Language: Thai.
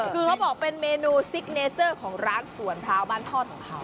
คือเขาบอกเป็นเมนูซิกเนเจอร์ของร้านสวนพร้าวบ้านทอดของเขา